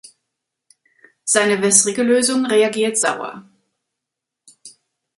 Seine wässrige Lösung reagiert sauer.